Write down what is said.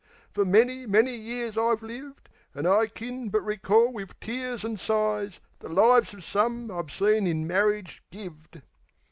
Fer many, many years I've lived. An' I kin but recall wiv tears an' sighs The lives of some I've seen in marridge gived."